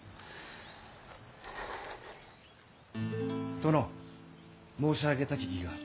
殿申し上げたき儀が。